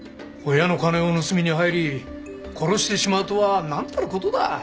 親の金を盗みに入り殺してしまうとはなんたる事だ。